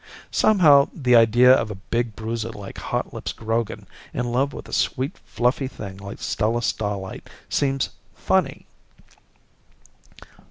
Somehow, the idea of a big bruiser like Hotlips Grogan in love of a sweet fluffy thing like Stella Starlight seems funny.